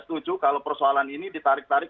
setuju kalau persoalan ini ditarik tarik